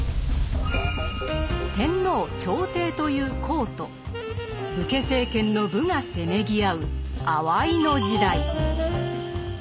天皇・朝廷という「公」と武家政権の「武」がせめぎ合う「あわいの時代」。